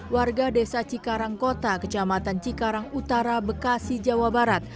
warga desa cikarang kota kecamatan cikarang utara bekasi jawa barat